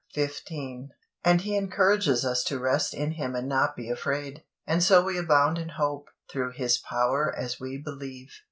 15), and He encourages us to rest in Him and not be afraid; and so we abound in hope, through His power as we believe.